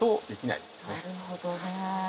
なるほどね。